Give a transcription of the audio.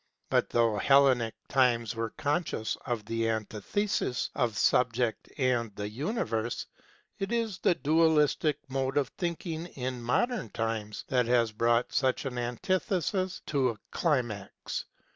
But though Hellenic times were conscious of the anti thesis of Subject and the Universe, it is the dualistic mode of thinking in modern times that has brought such an antithesis to a climax.